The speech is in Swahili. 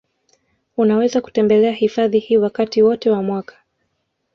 Unaweza kutembelea hifadhi hii wakati wote wa mwaka